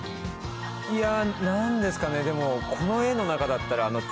いや何ですかねでもこの絵の中だったら。